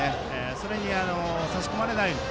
それに差し込まれないように。